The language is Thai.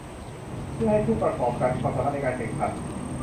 เพื่อให้ผู้ประกอบการมีความสามารถในการแข่งขัน